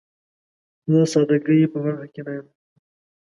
زه د سادګۍ په برخه کې نه یم.